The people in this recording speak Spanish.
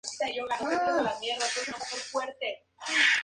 Su heredero portaba el título de Príncipe de Asturias.